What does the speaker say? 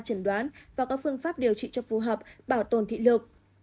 trần đoán và có phương pháp điều trị cho phù hợp bảo tồn thị lực